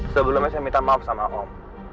sebelumnya saya minta maaf sama om